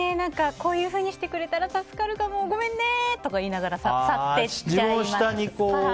こういうふうにしてくれたら助かるかも、ごめんねとか言って去っていっちゃいますね。